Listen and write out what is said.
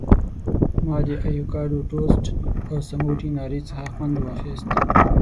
ما د ایوکاډو ټوسټ او سموټي ناري څخه خوند واخیست.